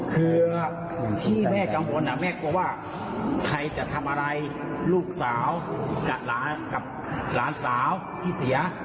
คือที่แม่กังวลแม่กลัวว่าใครจะทำอะไรลูกสาวกับหลานกับหลานสาวที่เสีย